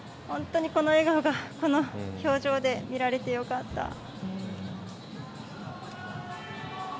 本当にこの笑顔が表情で見られて良かった。